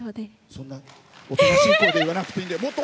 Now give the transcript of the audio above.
そんなおとなしい声で言わなくていいんで。